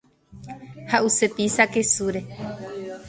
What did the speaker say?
Ha’use pizza kesúre.